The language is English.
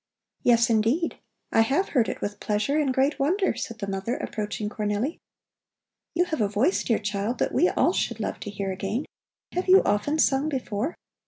"Yes, indeed! I have heard it with pleasure and great wonder," said the mother, approaching Cornelli. "You have a voice, dear child, that we all should love to hear again. Have you often sung before?"